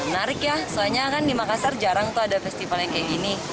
menarik ya soalnya kan di makassar jarang tuh ada festivalnya kayak gini